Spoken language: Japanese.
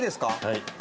はい。